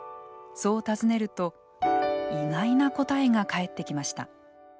そう尋ねると意外な答えが返ってきました。